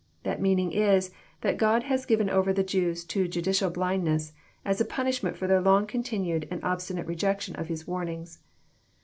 That meaning is, that "God had given over the Jews to judicial blindness, as a punishment for their long continued and obstinate rejection of His warnings."